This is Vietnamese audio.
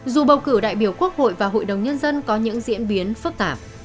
dù bầu cử đại biểu quốc hội và hội đồng nhân dân có những diễn biến phức tạp